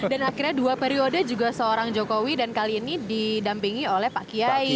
dan akhirnya dua periode juga seorang jokowi dan kali ini didampingi oleh pak kiai